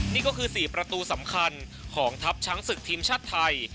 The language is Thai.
นี่ก็คือ๔ประตูสำคัญของทัพช้างศึกทีมชาติไทย